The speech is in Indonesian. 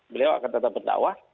beliau akan tetap berdakwah